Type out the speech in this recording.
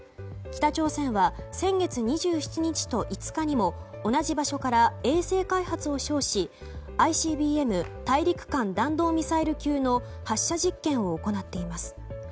北朝鮮は先月２７日と５日にも同じ場所から衛星開発を称し、ＩＣＢＭ・大陸間弾道ミサイル級の発射実験を行っています。